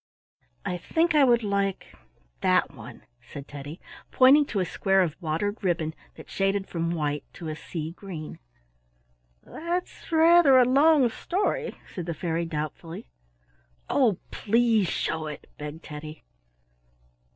"I think I would like that one," said Teddy, pointing to a square of watered ribbon that shaded from white to a sea green. "That's rather a long story," said the fairy, doubtfully. "Oh, please show it!" begged Teddy.